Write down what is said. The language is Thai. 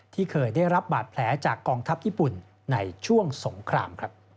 ที่เคยได้รับบาดแผลจากกองทัพญี่ปุ่นในช่วงสงคราม